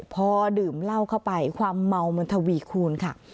พอดื่มเหล้าเข้าไปความเมามันทวีคูณค่ะ